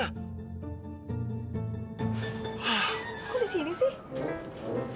kok di sini sih